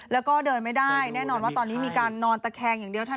แล้วก็เดินไม่ได้แน่นอนว่าตอนนี้มีการนอนตะแคงอย่างเดียว